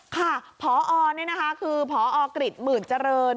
ข้าผอเนี่ยนะคะคือภกริจหมื่นเจริญ